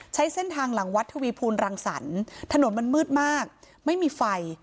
ใช้เส้นทางหลังวัดทวีภูลรังสรรค์ถนนมันมืดมากไม่มีไฟ